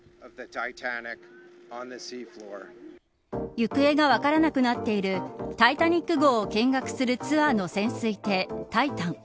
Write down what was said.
行方が分からなくなっているタイタニック号を見学するツアーの潜水艇タイタン